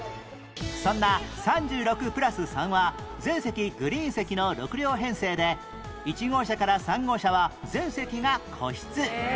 そんな３６ぷらす３は全席グリーン席の６両編成で１号車から３号車は全席が個室